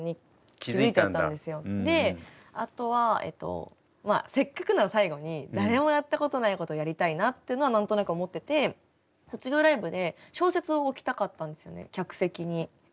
であとはせっかくなら最後に誰もやったことないことやりたいなっていうのは何となく思ってて卒業ライブで小説を置きたかったんですよね客席に。